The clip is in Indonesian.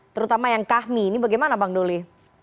terutama yang kahmi ini bagaimana bang noli